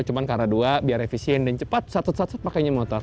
cuma karena dua biar efisien dan cepat satu pakainya motor